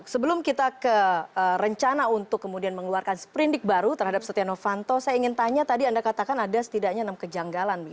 sebelum kita ke rencana untuk kemudian mengeluarkan seperindik baru terhadap setia novanto saya ingin tanya tadi anda katakan ada setidaknya enam kejanggalan